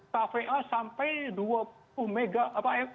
kva sampai dua puluh mega apa